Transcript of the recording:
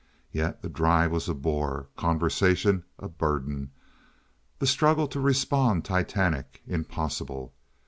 Yet the drive was a bore, conversation a burden, the struggle to respond titanic, impossible.